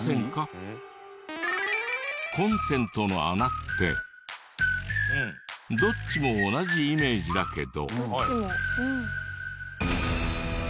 ではこれコンセントの穴ってどっちも同じイメージだけど。